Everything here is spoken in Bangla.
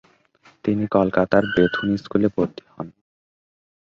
তিনি কলকাতার বেথুন স্কুলে ভর্তি হন।